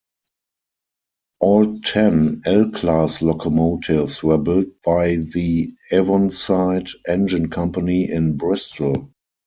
All ten L class locomotives were built by the Avonside Engine Company in Bristol.